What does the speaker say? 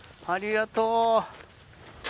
ありがとう。